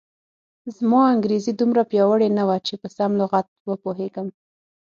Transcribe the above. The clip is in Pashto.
زما انګریزي دومره پیاوړې نه وه چې په سم لغت و پوهېږم.